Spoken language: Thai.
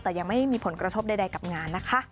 แต่ยังไม่มีผลกระทบใดกับงานนะคะ